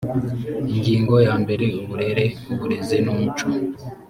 ingingo ya mbere uburere uburezi n umuco